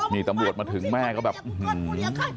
นี่ตำรวจมาถึงแม่ก็แบบอื้อหือ